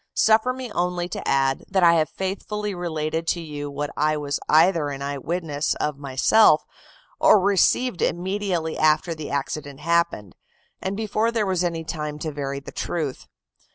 Suffer me only to add, that I have faithfully related to you what I was either an eye witness of myself, or received immediately after the accident happened, and before there was any time to vary the truth.